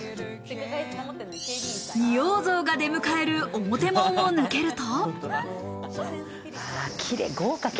仁王像が出迎える表門を抜けると。